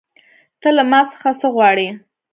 ته له ما څخه څه غواړې